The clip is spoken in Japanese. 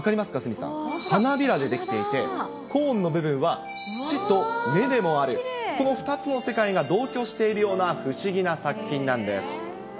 鷲見さん、花びらで出来ていて、コーンの部分は土と根でもある、この２つの世界が同居しているような、不思議な作品なんです。